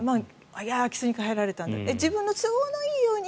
空き巣に入られたんだと自分の都合のいいように。